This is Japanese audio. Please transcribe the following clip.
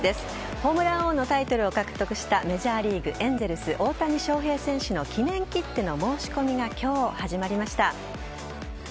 ホームラン王のタイトルを獲得したメジャーリーグエンゼルス・大谷翔平選手の記念切手の申し込みが今日、始まりました。